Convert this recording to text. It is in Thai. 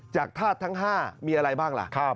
ธาตุทั้ง๕มีอะไรบ้างล่ะ